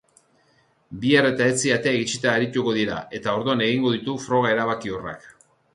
Bihar eta etzi ateak itxita arituko dira eta orduan egingo ditu froga erabakiorrak.